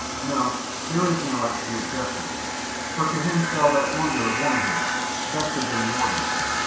No, there is no absolute justice, for to him fell that wonder of womanhood, Vesta Van Warden.